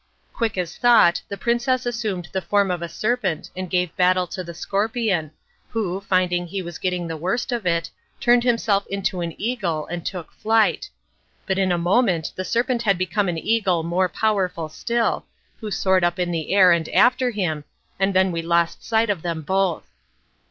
Quick as thought the princess assumed the form of a serpent and gave battle to the scorpion, who, finding he was getting the worst of it, turned himself into an eagle and took flight. But in a moment the serpent had become an eagle more powerful still, who soared up in the air and after him, and then we lost sight of them both.